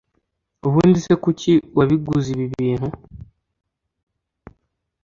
Ubundi se kuki wabiguze ibi bintu